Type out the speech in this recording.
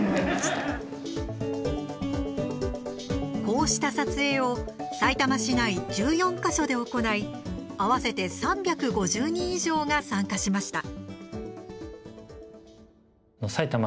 こうした撮影をさいたま市内１４か所で行い合わせて３５０人以上が参加しました。